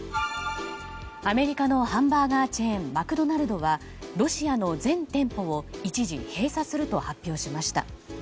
アメリカのハンバーガーチェーンマクドナルドはロシアの全店舗を一時、閉鎖すると発表しました。